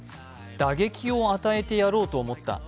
打撃を与えてやろうと思った。